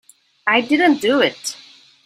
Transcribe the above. I didn't do it.